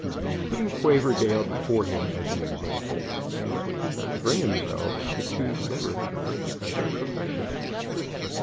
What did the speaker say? Putting Quaverdale before him as an example, Annesley could not bring himself to choose literature as a profession.